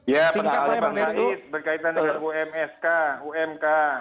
ya pernafasan bang sakit berkaitan dengan umsk umk